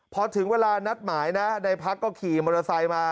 พอถึงเวลานัดหมายนะในพักก็ขี่มอเตอร์ไซค์มา